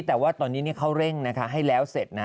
แต่ว่าตอนนี้เขาเร่งให้แล้วเสร็จนะ